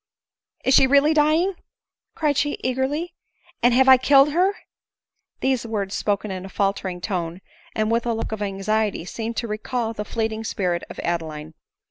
" Is she really dying ?" cried she eagerly, " and have I killed her ?" These words, spoken in a faltering tone, and with a look of anxiety, seemed to recall the fleeting spirit of Adeline.